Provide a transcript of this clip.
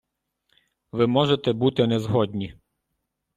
Ви можете бути не згодні.